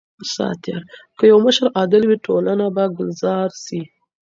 که يو مشر عادل وي ټولنه به ګلزار سي.